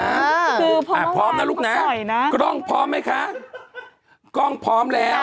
คือพร้อมมากมายพร้อมสวยน่ะพร้อมน่ะลูกน่ะกร้องพร้อมไหมคะกร้องพร้อมแล้ว